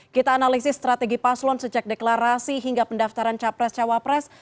kita analisis strategi paslon sejak deklarasi hingga pendaftaran capres cawapres